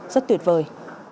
rất tuyệt vời